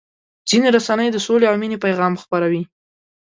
ځینې رسنۍ د سولې او مینې پیغام خپروي.